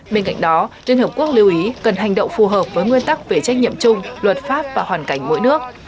bên cạnh đó liên hợp quốc lưu ý cần hành động phù hợp với nguyên tắc về trách nhiệm chung luật pháp và hoàn cảnh mỗi nước